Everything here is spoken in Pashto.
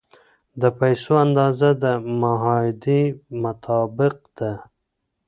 د پیسو اندازه د معاهدې مطابق ده.